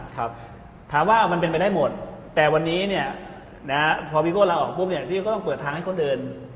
ถามว่ามันเป็นไปได้หมดแต่วันนี้พี่ก็ต้องเปิดทางให้คนอื่น